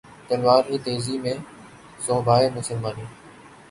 تلوار ہے تیزی میں صہبائے مسلمانی